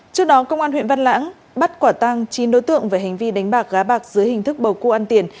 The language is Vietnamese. trước đó công an huyện văn lãng bắt quả tang chín đối tượng về hành vi đánh bạc gá bạc dưới hình thức bầu cua ăn tiền